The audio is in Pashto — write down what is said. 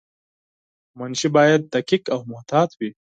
منشي باید دقیق او محتاط وای.